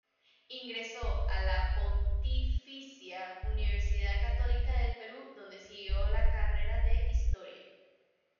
Ingresó a la Pontificia Universidad Católica del Perú, donde siguió la carrera de Historia.